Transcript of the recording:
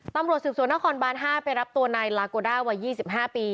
ตำรวจสืบสวนหน้าคอนบานห้าไปรับตัวในลากโกด้าวัยยี่สิบห้าปี